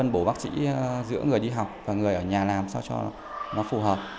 bổ bác sĩ giữa người đi học và người ở nhà làm sao cho nó phù hợp